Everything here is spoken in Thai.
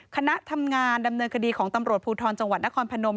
คณะทำงานดำเนินคดีของตำรวจภูทรจังหวัดนครพนม